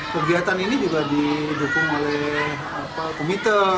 kegiatan ini juga didukung oleh komite